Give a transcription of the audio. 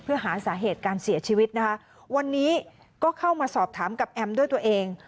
เพื่อหาสาเหตุการเสียชีวิตนะคะวันนี้ก็เข้ามาสอบถามกับแอมด้วยตัวเอง